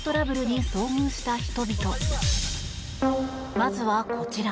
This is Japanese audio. まずは、こちら。